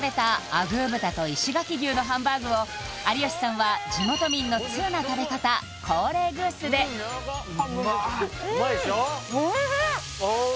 あぐー豚と石垣牛のハンバーグを有吉さんは地元民の通な食べ方コーレーグースで・うまーいっうまいでしょ？